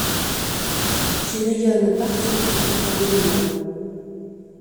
Qui rayonnent partout et qu'aucun mot ne nomme